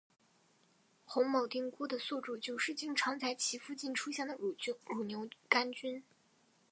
红铆钉菇的宿主就是经常在其附近出现的乳牛肝菌。